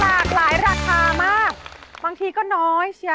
หลากหลายราคามากบางทีก็น้อยเชีย